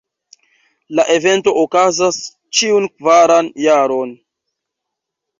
La evento okazas ĉiun kvaran jaron.